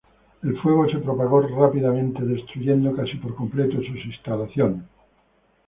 El fuego se propagó rápidamente, destruyendo casi por completo sus instalaciones.